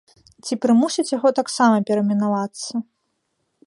Ці прымусяць яго таксама перайменавацца?